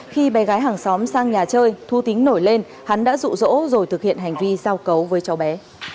khi bé gái hàng xóm sang nhà chơi thu tính nổi lên hắn đã rụ rỗ rồi thực hiện hành vi giao cấu với cháu bé